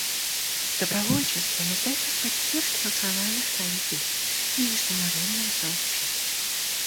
Добровольчество нуждается в поддержке национальных правительств и международного сообщества.